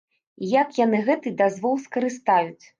І як яны гэты дазвол скарыстаюць.